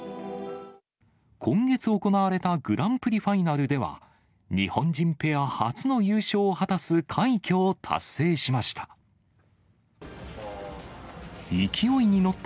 今月行われたグランプリファイナルでは、日本人ペア初の優勝を果たす快挙を達成しました。